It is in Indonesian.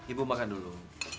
ibu makan dulu